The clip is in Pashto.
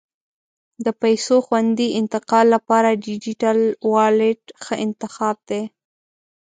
د پیسو خوندي انتقال لپاره ډیجیټل والېټ ښه انتخاب دی.